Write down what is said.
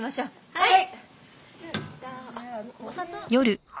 はい！